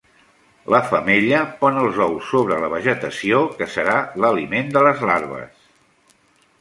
La femella pon els ous sobre la vegetació que serà l'aliment de les larves.